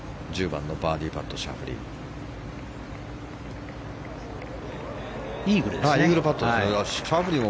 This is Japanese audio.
１０番のイーグルパットシャフリー。